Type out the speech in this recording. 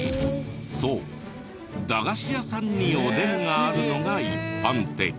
そう駄菓子屋さんにおでんがあるのが一般的。